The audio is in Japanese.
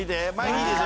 「いいですよ